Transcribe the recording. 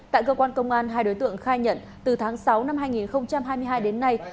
tại cơ quan công an hai đối tượng khai nhận từ tháng sáu năm hai nghìn hai mươi hai đến nay